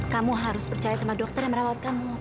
kamu harus percaya sama dokter yang merawat kamu